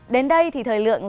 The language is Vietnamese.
đến đây thì thời lượng